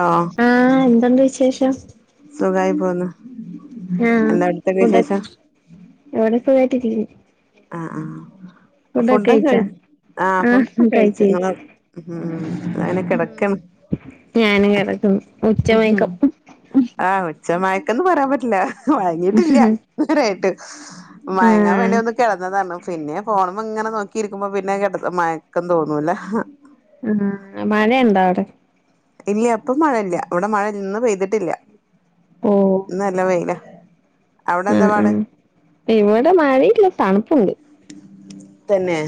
ആഹ് എന്തുണ്ട് വിശേഷം സുഖായി പോന്ന് ആഹ് ഇവിടെ ഇവിടെ സുഖായിട്ട് ഇരിക്കന്ന് ആഹ് ആഹ് ഫുഡ് ഒക്കെ കഴിച്ചാ കഴ് ആഹ് ഫുഡ് ഒക്കെ കഴിച്ചു അങ്ങനെ കിടക്കാണ് ഞാനും കിടക്കുന്നു ഉച്ചമയക്കം ആഹ് ഉച്ച മയക്കന്ന് പറയാൻ പറ്റില്ല മയങ്ങിട്ടില്ല ഇത് വരായിട്ട് മയങ്ങൻ ആഹ് വേണ്ടി ഒന്ന് ന്നതാണ്. പിന്നെ ഫോണുമ്മങ്ങനെ നോക്കിയിരിക്കുമ്പോ പിന്നെ മയക്കം തോന്നൂലെ ആഹ്, മഴയിണ്ടോ അവ്ടെ? ഇല്ല ഇപ്പം മഴയില്ല, ഇവിടെ മഴ ഇന്ന് പെയ്തിട്ടില്ല. ഓഹ് ഇന്ന് നല്ല വെയില, അവിടെ എന്താ പാട്. ഇവടെ മഴയില്ല, തണുപ്പുണ്ട്. തന്നെ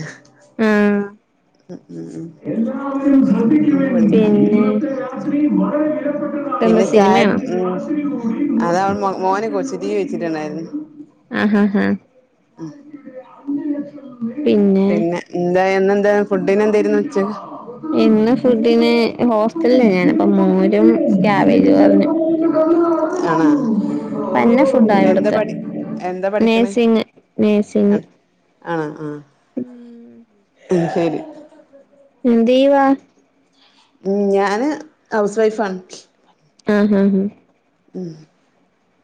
ഉം [inaudible] പിന്നെ എന്താ പിന്നെ ചായ സിനിമയാണോ ഉ അത അവ മോന് കൊച്ചു ട്ടിവി വെച്ചിട്ടുണ്ടായിരുന്നു. [unintelligible] പിന്നെ ഇന്ന് ഇന്ന് എന്തേനു ഫുഡിന് എന്തേര്ന്നു ഉച്ചക് ഇന്ന് ഫുഡിന് ഹോസ്റ്റലില ഞാന്, അപ്പം മോരും കാവേജ് വർഞ് ആണോ? പന്ന ഫുഡാ എന്താ ഇവിടത്തെ പഠി എന്താ പഠിക്കണേ നഴ്സിങ് നഴ്സിങ് ആഹ് ആണോ ആ [unintelligible] ഉം ശരി എന്തൈവാ ഉം, ഞാന് ഹൗസ് വൈഫാണ് ആ ഹഹ ഹ് [unintelligible]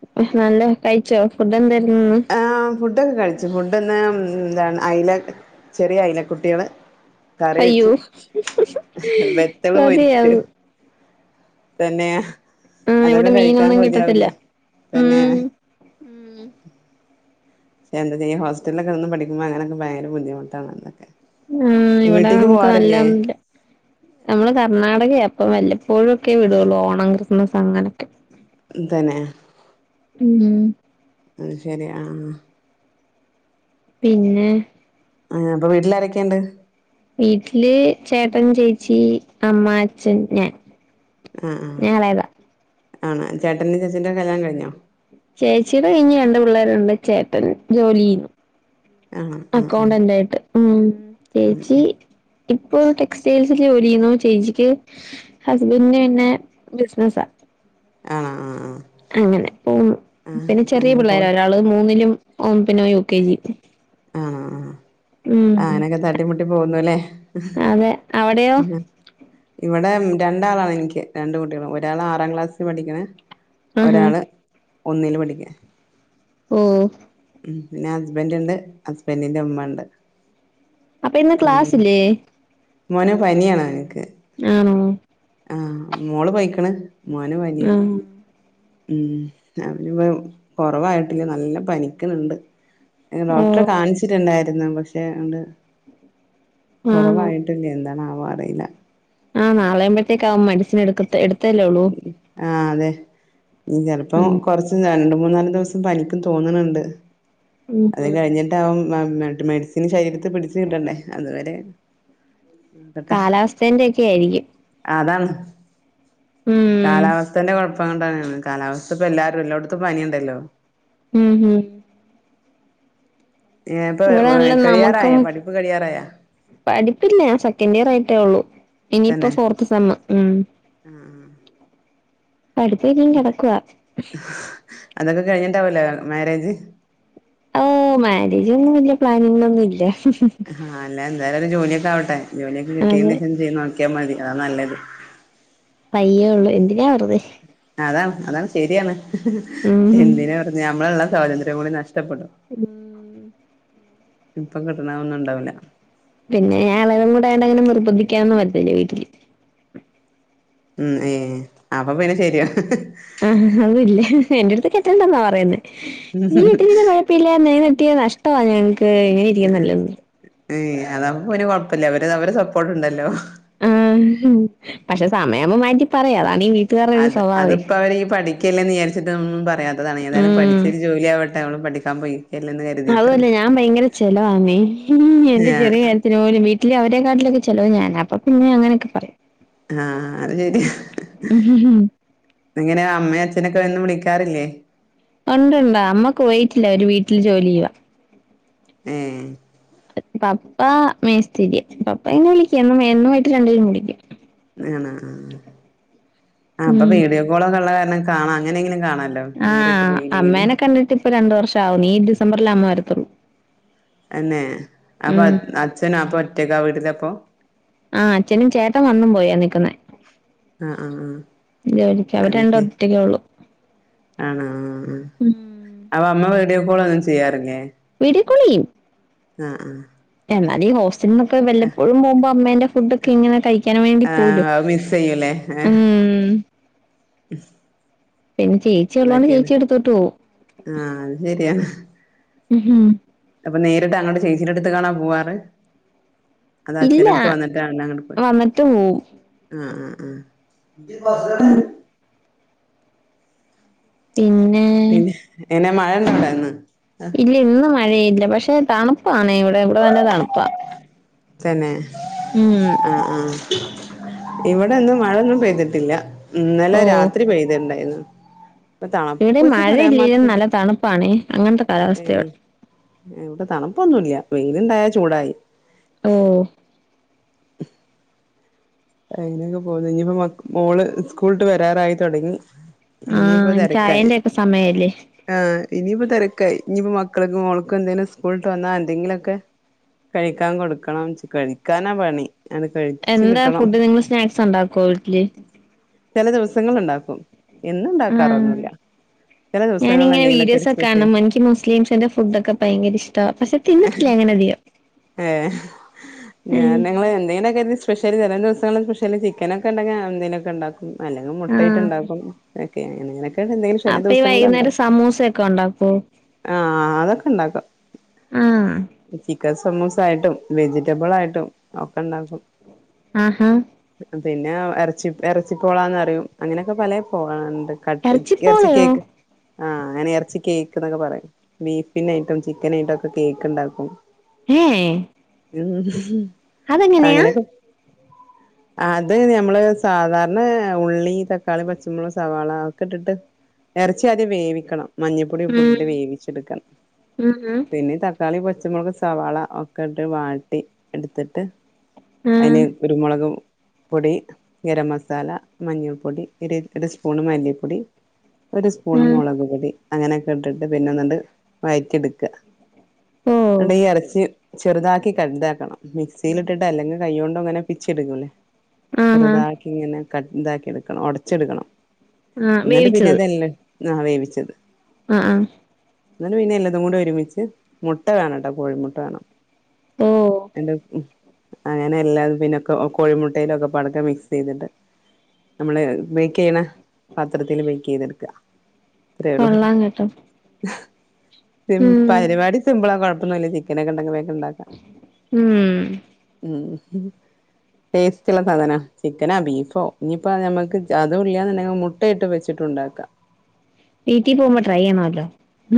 [unintelligible] നല്ല കഴിച്ചോ ഫുഡ് എന്തായിരുന്നു ഇന്ന് ആഹ്, ഫുഡ്ഡൊക്കെ കഴിച്ചു. ഫുഡ്ഡ്ന്ന് എന്താണ് ഐല ചെറിയെ ഐല കുട്ടീയള് കറി അയ്യോ വെച്ചു. വെത്തള് പൊരിച്ചു കൊതിയാവും തെന്നേഹ്. ആഹ് അതൊക്കെ ഇവിടെ കഴിക്കാൻ മീനൊന്നും കിട്ടത്തില്ല കൊതിയാവില്ലെ തെന്നേ ഉം എന്ത ചെയ്യാ, ഹോസ്റ്റൽലൊക്കെ നിന്ന് പഠിക്ക്മ്പൊ അങ്ങനൊക്കെ ഭയങ്കര ബുദ്ധിമുട്ടാണതൊക്കെ ആഹ് ഇവടെ നമുക്ക് നല്ലൊന്നും ഇല്ല നമ്മള് കർണാടകയ ഇപ്പം. വല്ലപ്പോഴൊക്കെ വിടൊള്ളു ഓണം ക്രിസ്മസ് അങ്ങന. തന്നേ ഉം അയ് ശരി ആഹ് പിന്നേ ആഹ് അപ്പൊ വീട്ട്ലാരെക്കണ്ട്? വീട്ട്ല് ചേട്ടൻ, ചേച്ചി, അമ്മ, അച്ഛൻ, ഞാൻ ആഹ് ഞാൻ എളയതാ ആഹ് ആണ, ചേട്ടന്റെ ചേച്ചീന്റ കല്ല്യാണം കഴിഞ്ഞൊ ചേച്ചിയ്ടെ കഴിഞ്ഞ് രണ്ട് പിള്ളാരുണ്ട്, ചേട്ടൻ ജോലീ ചെയ്യുന്നു ആണോ ആ ആ അക്കൗണ്ടന്റായിട്ട് ഉം. ഉം ചേച്ചീ ഉം ഇപ്പൊ ടെക്സ്റ്റൈൽസില് ജോലി ചെയ്യുന്നു. ചേച്ചിക്ക്, ഹസ്ബന്ന് പിന്നെ ബിസ്നസ ആണോ ആ അങ്ങനെ പോവുന്നു. ആ ആ പിന്നെ ചെറിയ അങ്ങനൊക്കെ പിള്ളേര പോണ് ഒരാ ള് മൂന്ന്ലും ഓം പിന്നെ യു കെ ജി ആഹ്, ഉം അങ്ങനൊകെ തട്ടിമുട്ടി പോവുന്നു ലെ അതെ അവിടെയോ [unintelligible] ഇവടെ ഉം രണ്ടാളാണ് എനിക്ക്, രണ്ട് കുട്ടികള്. ഒരാള് ആറാം ക്ലാസ്സി പഠിക്ക്ണ് ആഹാ ഒരാള് ഒന്നില് പഠിക്ക ഓഹ് ഉം, പിന്ന ഹസ്ബന്റണ്ട് ഹസ്ബന്റിന്റെ ഉമ്മ ഇണ്ട് അപ്പ ഇന്ന് ക്ലാസ്സില്ലേ? മോന് പനിയാണോന്ക്ക് ആണോ? ആഹ്, മോള് പൊയ്ക്ക്ണ് മോന് പനിയ. ആഹ് ഉം അവന്പ്പൊ കൊറവായ്ട്ടില്ല നല്ല പനിക്കണണ്ട് ഓ ഡോക്ടറെ കാണിച്ചിട്ട്ണ്ടായിരുന്നു പക്ഷെ ആണ്ട് ആണോ കൊറവായ് ട്ടില്ല എന്താണാവോ അറിയില്ല ആഹ് നാളെ ആവ്മ്പഴ്‌ത്തേക്ക് ആവും മെഡിസിൻ എടുക്കത്തെ എട് ആഹ് അതെ ഇഞ്ഞി ചെലപ്പം ഉം കൊറച്ച് രണ്ട് മൂന്നാല് ദിവസം പനിക്കും തോന്ണണ്ട് അത് ഉം കഴ്ഞ്ഞിട്ടാവും ആഹ് മെഡ് മെഡിസിന് ശരീരത്തി പിടിച്ച് കിട്ടണ്ടെ അത് വരെ ക്കട്ടെ കാലാവസ്ഥേന്റെ ഒക്കെ ആയിരിക്കും ആഹ് അതാണ് ഉം കാലാവസ്ഥന്റെ കൊഴപ്പം കൊണ്ടാണ് കാലാവസ്ഥ ഇപ്പൊ എല്ലാരും എല്ലോട്ത്തു പനിണ്ടല്ലൊ ഉം ഉം ഏഹ് ഇപ്പ ഇവിടെയാണല്ലോ നമുക്കും കഴിയാറായോ പഠിപ്പ് കഴിയാറായോ പഠിപ്പില്ല ഞാൻ സെക്കൻഡ് ഇയർ ആയിട്ടെ ഉള്ളു ഇനിയിപ്പൊ തന്നെ ഫോർത്ത് സെമ്മ് ഉം ആ പഠിപ്പിനിയും കെടക്കുവാ അതൊക്കെ കഴ്ഞ്ഞിട്ടാവൂലെ മാരേജ് ഓഹ് മാരേജ് ഒന്നും വല്യ പ്ലാനിങ്ങിലൊന്നുല്ല ആഹ് അല്ല എന്തായാലും ഒര് ജോലിയൊക്കെ ആവട്ടെ ജോലിയൊക്കെ അത് കിട്ടിയേന്റേശം ചെയ് നോക്ക്യാ മതി അതാ നല്ലത് പയ്യേ ഒരള്ളു എന്തിനാ വെറ്തെ അതാണ് അതാണ് ശരിയാണ് ഉം എന്തിനാ വെറുതെ നമ്മളെ ഇള്ള സ്വാതന്ത്ര്യം കൂടി നഷ്ട്ടപ്പെടും പിൻ ഇപ്പം കിട്ടണ അതൊന്നുണ്ടാവില്ല പിന്നെ ഞാൻ എളയതും കൂടായോണ്ട് അങ്ങനെ നിർബന്ധിക്കാനൊന്നും വരത്തില്ല വീട്ട്ല് ഉം ഏഹ് അപ്പൊ പിന്നെ ശരിയാ ആഹ് ഹാവു ഇല്ല എന്റെടുത്ത് കെട്ടെണ്ടെന്നാ പറയുന്നേ നീ വീട്ടില് [unintelligible] തില്ല [unintelligible] നഷ്ട്ടവാ ഞങ്ങക്ക് ഇങ്ങനെ ഇരിക്കുന്ന [unintelligible] ഏയ് അതാവുമ്പോ പിന്നെ കൊഴപ്പല്ല അവര് അവരെ സപ്പോർട്ട് ഇണ്ടല്ലോ ആഹ് പക്ഷെ സമയാവുമ്പം മാറ്റി പറയും അതാണീ വീട്ട് അത് അത്പ്പവര് ഈ പഠി ക്കെല്ലെ വിചാരിച്ചിട്ട് ഒന്നും പറയാത്തതാണെ ഏതായാലും ഉം പഠിച്ചൊരു ജോലി ആവട്ടെ അവള് പഠിക്കാൻ പോയി അതു അല്ലാ ഞാൻ ഭയങ്കര ചെലവാന്നേ എന്റെ ചെറിയ ആഹ് കാര്യത്തി ജോലി വീട്ടില് അവരെ കാട്ടിലൊക്കെ ചെലവ് ഞാനാ അപ്പ പിന്നെ അങ്ങനൊക്കെ പറയും ആഹ് അത് ശരിയാ എങ്ങനെ അമ്മേ അച്ഛനൊക്കെ എന്നും വിളിക്കാറില്ലേ? ഒണ്ടൊണ്ട് അമ്മ കുവൈത്തിലാ ഒരു വീട്ടില് ജോലി ചെയ്യുവാ ഏഹ് പപ്പ മേസ്തിരിയാ പപ്പ [unintelligible] വിളിക്കും എന്നും വയ്യിട്ട് രണ്ട് പേരും വിളിക്കും ആണോ ആഹ് ആഹ് ആഹ് ഇപ്പൊ ഉം വീഡിയോ കോളൊക്കെള്ള കാരണം കാണാ അങ്ങനെ എങ്കിലും കാണാല്ലോ ആഹ് അമ്മേനെ കണ്ടിട്ട് ഇപ്പ രണ്ടു വർഷം ആവുന്നു ഈ ഡിസംബറില് അമ്മ വരത്തുള്ളൂ അന്നെ അപ്പൊ ഉം അഹ് അച്ഛന് അപ്പൊ ഒറ്റക്കാ വീട്ടിലാപ്പൊ ആഹ് അച്ഛനും ചേട്ടൻ വന്നും പോയാ നിക്കുന്നെ ആഹ് ആഹ് ആഹ് ജോലിക്ക് അവര് അത് രണ്ടും ശരി ഒറ്റൊക്കൊള്ളൂ ഉം അവ അമ്മ വീഡിയോ കോളൊന്നും ചെയ്യാറില്ലേ? വീഡിയോ കോള് ചെയ്യും ആഹ്‌ ആഹ് എന്നാലു ഈ ഹോസ്റ്റലിന്നൊക്കെ വല്ലപ്പോഴും പോവുമ്പോ അമ്മേന്റെ ഫുഡൊക്കെ ഇങ്ങനെ കഴിക്ക് വേണ്ടി ആഹ് പോവൂല്ലോ ആഹ് അത് മിസ് ചെയ്യൂല്ലേ ഉം ഏഹ് പിന്നെ ചേച്ചി ഒള്ളൊണ്ട് അതൊക്കെയാണ് ചേച്ചിടെടുത്തോട്ട് പോവും ആഹ് അത് ശരിയാണ് അപ്പൊ നേരിട്ട് അങ്ങട്ട് ചേച്ചിൻ്റെ അടുത്ത്ക്കാണാ പോവാറ് അതാ ഇല്ല അച്ഛൻ്റടുത്ത് വന്നിട്ട് അങ്ങനേ അങ്ങട് പോയി വന്നിട്ട് പോവും ആഹ് അഹ് അഹ് ഉം പിന്നെ പിന്നെ എങ്ങനെ മഴണ്ടോ അവടെ ഇന്ന് ഇല്ല ഇന്ന് മഴയില്ല. പക്ഷേ തണുപ്പാണെവിടെ ഇവിടെ നല്ല തണുപ്പാ തന്നെ ഉം ആഹ് ആഹ് ഇവിടെന്ന് മഴൊന്നും പെയ്തിട്ടില്ല. ഇന്നലെ ഓ രാത്രി പെയ്ത്ട്ടുണ്ടായിരുന്നു ഇവിടേം മഴയില്ലേലും നല്ല തണുപ്പാണേ. അങ്ങത്തെ കാലാവസ്ഥയാ ഇവടെ ഞങ്ങക്ക് തണുപ്പൊന്നുംല്ല വെയില്ണ്ടായ ചൂടായി ഓഹ് അയിനൊക്കെ പോന്നു ഇഞ്ഞിപ്പോ മക്ക് മോള് സ്കൂള്ട്ട് വരാറായി തൊടങ്ങി. ആ ഇനിയിപ്പോ തെരക്കായി ചായേന്റെ ഒക്കെ സമയല്ലേ ആഹ് ഇനിയിപ്പോ തെരക്കായി. ഇഞ്ഞിപ്പ മക്കൾക്ക് മോൾക്കും എന്തേലും സ്കൂളിട്ട് വന്നാ എന്തെങ്കിലോക്കെ കഴിക്കാൻ കൊടുക്കണം. ച് കഴിക്കാനാ പണി അങ്ങട് കഴ് എന്താ ഫുഡ്? നിങ്ങള് സ്നാക്സ്ണ്ടാക്കോ വീട്ടില്? ചെല ദിവസങ്ങളില്ണ്ടാക്കും. എന്നും ആഹ് ഇണ്ടാക്കാറൊന്നുല്ല ഞാനിങ്ങനെ വീഡിയോസൊക്കെ കാണും. ഇൻക്ക് മുസ്ലിംസിന്റെ ഫുഡ്ക്കെ ഭയങ്കര ഇഷ്ടാവും. പക്ഷേ തിന്നിട്ടില്ലങ്ങനെ അധികം ഏഹ് ഞാനിങ്ങള് എന്തെലൊക്കെരു സ്പെഷ്യല് ചെലേ ദിവസങ്ങള് സ്പെഷ്യല് ചിക്കനൊക്കെണ്ടെങ്കി എന്തെലൊക്കെക്കെണ്ടാക്കും അല്ലെങ്കി ആഹ് മുട്ടേയ്ട്ട്ണ്ടാക്കും. ങ്ങനങ്ങനൊക്കേണ്. ങ്ങനൊക്കേണ്ന്തെങ്കിലും ചെലേ അപ്പൊ ഈ ദുവസങ്ങളിൽണ്ടാവ വൈകുന്നേരം സമൂസയൊക്കെ ഉണ്ടാക്കോ ആഹ് അതൊക്കെ ഇണ്ടാക്കും. ആഹ് ചി ചിക്കൻ സമൂസായിട്ടും വെജിറ്റബിളായിട്ടും ഒക്കെണ്ടാക്കും. ആഹാ പിന്നെ എറച്ചി എറച്ചി പോളാന്ന്റിയും. അങ്ങനെയൊക്കെ പല പോളകള്ണ്ട്. കട്ട് എറച്ചി ഇറച്ചിപ്പോളയോ കേക്ക് ആഹ് അങ്ങനേ എറച്ചി കേക്ക് എന്നൊക്കെ പറയും. ബീഫിനേയിട്ടും ചിക്കനേയിട്ടുമൊക്കെ കേക്ക്ണ്ടാക്കും. ഹേയ് ഉ അതങ്ങനെയാ? അത് ഞമ്മള് സാധാരണ ഉള്ളി തക്കാളി പച്ചമുളക് സവാള അതൊക്കെ ഇട്ടിട്ട് എറച്ചി ആദ്യം വേവിക്കണം മഞ്ഞപ്പൊടിം ഉപ്പും ഉം ഇട്ടിട്ട് വേവിച്ചെടുക്കണം. ഉം പിന്നെ തക്ക തക്കാളി പച്ചമുളക് സവാള ഒക്കെ ഇട്ട് വാട്ടി എടുത്തിട്ട് ഉം അതിന് ആഹ് കുരുമുളകും പൊടി, ഗരം മസാല, മഞ്ഞുൾപ്പൊടി ഒരു ഒരു സ്പൂണ് മല്ലിപ്പൊടി ഒരു സ്പൂണ് ആഹ് മൊളക് പൊടി. അങ്ങനെയൊക്കെ ഇട്ടിട്ട് പിന്നെന്നണ്ട് വഴറ്റി എടുക്കുക. ഓ ന്നട്ട് ഈ എറച്ചി ചെറുതാക്കി കട്താക്കണം. മിക്സിൽ ഇട്ടിട്ടോ അല്ലെങ്കി കൈയ്യോണ്ടോ ഇങ്ങനെ പിച്ചി എടുക്കുല്ലേ? ആഹാ ചെറുതാക്കി ഇങ്ങനെ കട് ഇതാക്കി എടുക്കണം. ഒടച്ചെടുക്കണം. ആഹ് എന്നിട്ട് പിന്നെ വേവിച്ചത് ഇതല്ലാം നാ വേവിച്ചത് ആഹ് ആഹ് എന്നട്ട് പിന്നെ എല്ലതും കൂടെ ഒരുമിച്ച് മുട്ട വേണംട്ടോ കോഴിമുട്ട വേണം. ഓ എന്റെ ഉം അങ്ങനെ എല്ലാതും പിന്നെക്കെ കോഴിമു ട്ടയിലൊക്കെ പതക്കെ മിക്സ്യ്തിട്ട് നമ്മള് ബേക്ക്യ്യണ പാത്രത്തില്ൽ ബേക്ക്യ്തെടുക്ക്വാ അത്രേള്ളു. കൊള്ളാം കേട്ടോ ഉം പരിപാടി സിമ്പിളാ കൊഴപ്പൊന്നുല്ലാ ചി ക്കനക്കെണ്ടെങ്ക് വേഗണ്ടാക്ക് ഉം ഉം ടേസ്റ്റുള്ള സാധന. ചിക്കനോ ബീഫോ ഇനിയിപ്പോം നമക്ക് അതും ഇല്ലയെന്നുണ്ടെങ്കിൽ മുട്ട ഇട്ട് വെച്ചിട്ട്ണ്ടാക്കാം. [inaudible] വീട്ടിൽ പോകുമ്പോ ട്രൈ ചെയ്യണല്ലോ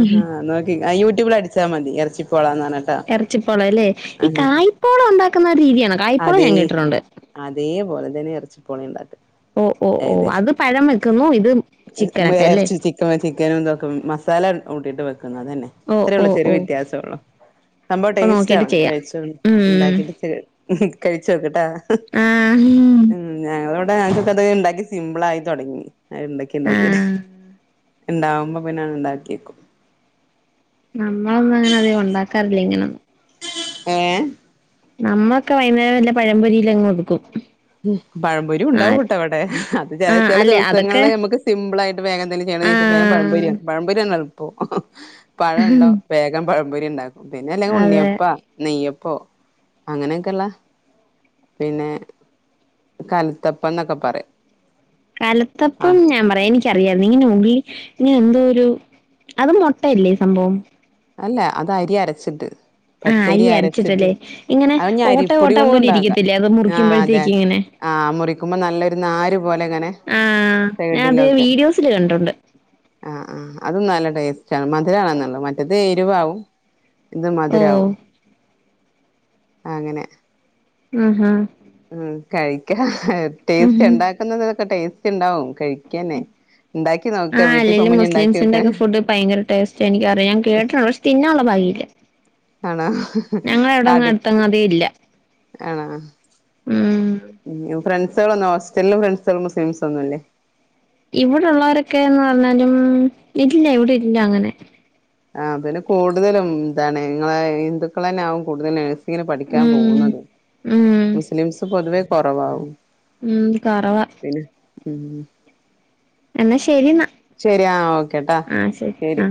ആഹാ നോക്കി യൂട്യൂബിൽ അടിച്ചാൽ മതി എർച്ചി പോള എന്നാ എർച്ചിപ്പോള അല്ലേ ഈ കായ്പോള ഉണ്ടാക്കുന്ന രീതിയണ് കായ്പോള അതേ ഞാൻ കേട്ടിട്ടുണ്ട് അതേപോലെ തന്നെ എർച്ചി പോള ഉണ്ടാക്ക ഓഹ് ഓഹ് ഓഹ് അത് പഴം വെക്കുന്നു ഇത് ചിക്കനൊക്കെ അല്ലേ [unintelligible] ചിക്കനും ഇതൊക്കെ മസാല കൂട്ടിയിട്ട് വെക്കുന്നു അതന്നെ ഓ ഓ അത്രയൊള്ളൂ ചെറിയ ഓ വ്യത്യാസൊള്ളു. സംഭവ അപ്പൊ ടേസ്റ്റ് നോക്കിട്ട് ആണ് ചെയ്യാം കഴിച്ചു ഉം ഉണ്ടാക്കിട്ട് ഉം കഴിച്ച നോക്കട്ടാ ആഹ് ഉം ഞങ്ങളവ്ടെ ക്കത് ഇണ്ടാക്കി സിംമ്പിൾ ആയി തൊടങ്ങി അത് ഇണ്ടാക്കി ഇണ്ടാക്കിട്ട് ആഹ് ഇണ്ടാവുമ്പോ പിന്നണ് ഇണ്ടാക്ക്യക്കും. നമ്മളൊന്നും അങ്ങനെ അധിക ഉണ്ടാക്കാറില്ല ഇങ്ങനൊന്നും ഏഹ് നമ്മളൊക്കെ വൈന്നേരം വല്ല പഴമ്പൊരിൽ അങ്ങ് ഒതുക്കും ഉം പഴംപൊരി ആഹ് ഉണ്ടാവുംട്ട ഇവടെ അത് ചെല ആഹ് ചെല അല്ലെ അതൊക്കെ ദിവസങ്ങളിൽ നമുക്ക് സിമ്പിൾ ആയിട്ട് വേഗന്തേയ്ലും ചെയ്യണേച്ച വേം ആഹ് പഴമ്പൊരിയ പഴമ്പപൊരിയാണ് എളുപ്പം പഴണ്ടോ വേഗം പഴംപൊരി ഉണ്ടാക്കും പിന്നെ അല്ലെങ്കിൽ അതെ ഉണ്ണിയപ്പ നെയ്യപ്പോ അങ്ങനെയൊക്കെയള്ള പിന്നെ കൽത്തപ്പം ഇന്നൊക്കെ പറയും കൽത്തപ്പം ആഹ് ഞാൻ പറയാ എനി അറിയായിരുന്നു ഇങ്ങനെ ഉള്ളി ഇങ്ങനെ എന്തോ ഒരു അത് മുട്ടയല്ലേ സംഭവം അല്ല അത് അരി അരച്ചിട്ട് ആ പച്ചയ്രി അരി അരച്ചിട്ട്. അരച്ചിട്ടല്ലേ ഇങ്ങനെ അഹ്ഞ് ഓട്ട അരിപ്പൊടി ഓട്ട കൊണ്ടു പോലെ ഉണ്ടാക്കാ ഇരിക്കത്തില്ലേ അത് ആഹ് അതെ മുറിക്കുമ്പോഴത്തേക്ക് ഇങ്ങനെ ആഹ് മുറിക്കുമ്പോ നല്ലൊരു നാരു പോലെ ഇങ്ങനെ ആ ഞാൻ അത് സൈഡിലൊക്കെ വീഡിയോസില് കണ്ടിട്ടുണ്ട് ആഹ് ആഹ് അതും നല്ല ടേസ്റ്റ് ആണ് മധുരാണെന്നൊള്ളോ മറ്റത് എരുവാവും ഇത് ഓ മധുരാവും അങ്ങനെ ആഹ് ഹാ ഉം കഴിക്കാ ടേസ്റ്റ് ഉം ഉണ്ടാക്കുന്നതൊക്കെ ടേസ്റ്റ് ഉണ്ടാവും കഴിക്കാനേ ആഹ് അല്ലെലും മുസ്ലിം സിന്റെ ഒക്കെ ഫുഡ് ഭയങ്കര ടേസ്റ്റ എനിക്ക അറിയ ഞാൻ കേട്ട് പ ത്തിന്നാള്ള ഭാഗ്യയില്ല ആണോ അട് അടുത്തെങ്ങും അതേ ഇല്ല ആണോ ഉം ഉം ഫ്രണ്ട്സെളൊന്നും ഹോസ്റ്റല് ഫ്രണ്ട്സേള് മുസ്ലിംസ് ഒന്നുല്ലേ? ഇവിടുള്ളോരൊക്കെന്ന് പറഞ്ഞാലും ഇല്ല ഇവിടെ ഇല്ല അങ്ങനെ ആഹ് പിന്നെ കൂടുതലും ഇന്താണ് ഇങ്ങളെ ഹിന്ദുക്കളന്നെ ആവും കൂടുതലും നെ ങ്ങിന് പഠിക്കാൻ ഉം പോകുന്നത്. ഉം മുസ്ലിംസ് പൊതുവേ കൊറവാവും ഉം കൊറവാ പിന്നെ ഉം എന്നാ ശരിന്നാ ശരി ആഹ് ഓക്കേട്ടാ ആ ശരി ആ